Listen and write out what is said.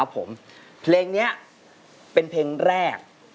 ผมเพลงนี้เป็นเพลงแรก